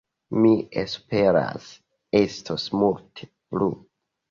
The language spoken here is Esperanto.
Mi esperas, estos multe plu!